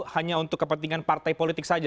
hanya untuk kepentingan partai politik saja